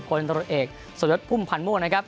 โพลนตรวจเอกสวดยศพุ่มพันมูลนะครับ